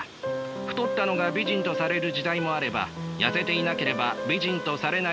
太ったのが美人とされる時代もあれば痩せていなければ美人とされない時代もある。